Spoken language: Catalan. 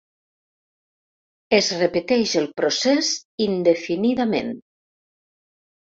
Es repeteix el procés indefinidament.